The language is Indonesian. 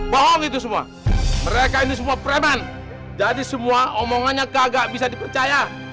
bohong itu semua mereka ini semua preman jadi semua omongannya gagak bisa dipercaya